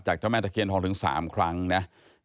เจ้าแม่ตะเคียนทองถึง๓ครั้งนะ